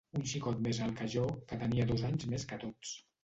Un xicot més alt que jo, que tenia dos anys més que tots.